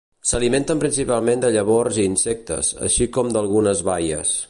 S'alimenten principalment de llavors i insectes, així com d'algunes baies.